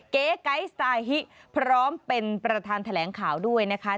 เก๊ไก๊สไตล์ฮิพร้อมเป็นประธานแถลงข่าวด้วยนะคะ